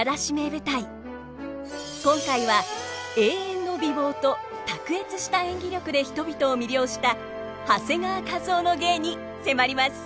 今回は永遠の美貌と卓越した演技力で人々を魅了した長谷川一夫の芸に迫ります。